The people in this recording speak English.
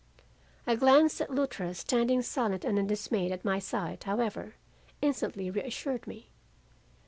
"A glance at Luttra standing silent and undismayed at my side, however, instantly reassured me.